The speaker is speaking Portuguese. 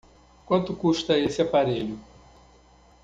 Quanto custa esse aparelho?